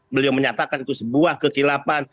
beliau menyatakan itu sebuah kekilapan